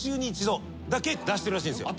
出してるらしいんですよ。